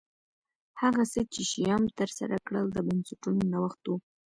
هغه څه چې شیام ترسره کړل د بنسټونو نوښت و